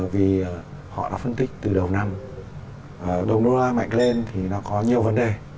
vì họ đã phân tích từ đầu năm đồng đô la mạnh lên thì nó có nhiều vấn đề